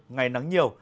ngày nắng nhiều